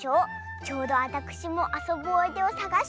ちょうどあたくしもあそぶおあいてをさがしていましたわ。